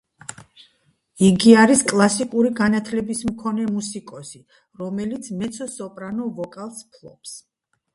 იგი არის კლასიკური განათლების მქონე მუსიკოსი, რომელიც მეცო-სოპრანო ვოკალს ფლობს.